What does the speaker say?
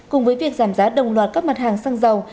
cùng với việc giảm giá đồng loạt các mặt hàng xăng dầu